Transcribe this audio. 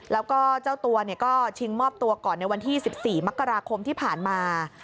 แล้วก็เจ้าตัวก็ชิงมอบตัวก่อนในวันที่๑๔มกราคมที่ผ่านมา